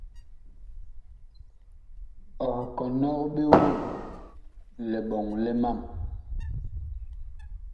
Ɔh kɔnɔg ɓe woŋ liɓɔŋ li mam.